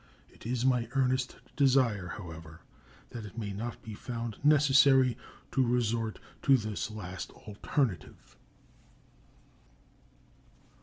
It is my earnest desire, however, that it may not be found necessary to resort to this last alternative.